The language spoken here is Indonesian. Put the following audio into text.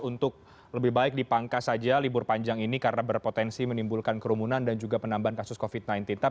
untuk lebih baik dipangkas saja libur panjang ini karena berpotensi menimbulkan kerumunan dan juga penambahan kasus covid sembilan belas